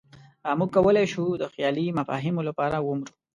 موږ کولی شو د خیالي مفاهیمو لپاره ومرو.